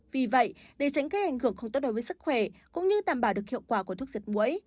vì vậy để tránh gây ảnh hưởng không tốt đối với sức khỏe cũng như đảm bảo được hiệu quả của thuốc diệt mũi